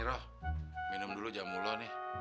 niroh minum dulu jamullah nih